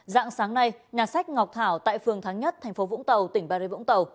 dạng sáng nay nhà sách ngọc thảo tại phường tháng nhất tp vũng tàu tỉnh bà rê vũng tàu